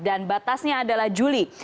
dan batasnya adalah juli